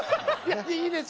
いいです。